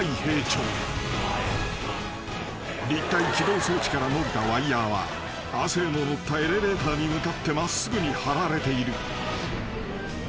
［立体機動装置から伸びたワイヤは亜生の乗ったエレベーターに向かって真っすぐに張られている］